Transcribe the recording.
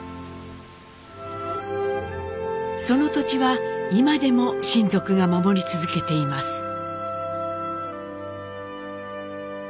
その土地は今でも親族が守り続けています。